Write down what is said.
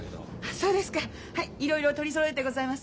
そうですかいろいろ取りそろえてございます。